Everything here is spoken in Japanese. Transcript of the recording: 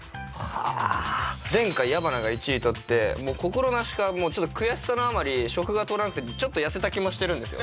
前回矢花が１位取って心なしかちょっと悔しさのあまり食が通らなくてちょっと痩せた気もしてるんですよ